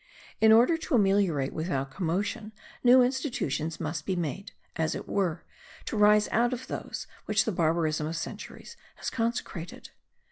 In order to ameliorate without commotion new institutions must be made, as it were, to rise out of those which the barbarism of centuries has consecrated.